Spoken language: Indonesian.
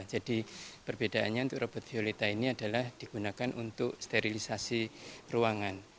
jadi perbedaannya untuk robot violeta ini adalah digunakan untuk sterilisasi ruangan